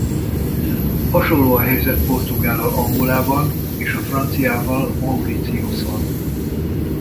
Hasonló a helyzet a portugállal Angolában és a franciával Mauritiuson.